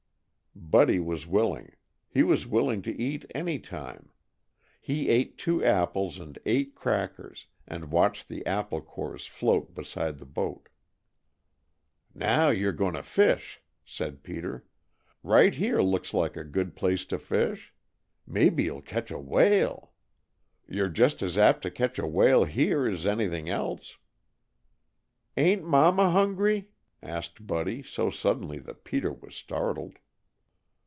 Buddy was willing. He was willing to eat any time. He ate two apples and eight crackers, and watched the apple cores float beside the boat. "Now, you 're going to fish," said Peter. "Right here looks like a good place to fish. Maybe you'll catch a whale. You're just as apt to catch a whale here as anything else." "Ain't Mama hungry?" asked Buddy so suddenly that Peter was startled.